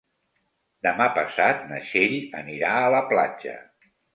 Demà passat na Txell anirà a la platja.